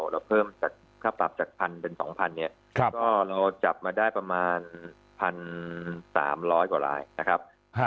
เราเพิ่มจากค่าปรับจาก๑๐๐เป็น๒๐๐เนี่ยก็เราจับมาได้ประมาณ๑๓๐๐กว่าลายนะครับ